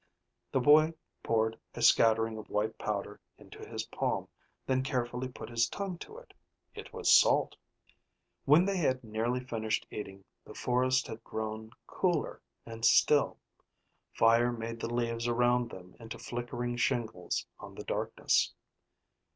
The boy poured a scattering of white powder into his palm, then carefully put his tongue to it. It was salt. When they had nearly finished eating the forest had grown cooler and still. Fire made the leaves around them into flickering shingles on the darkness.